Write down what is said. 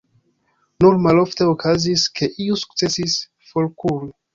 Nur malofte okazis, ke iu sukcesis forkuri.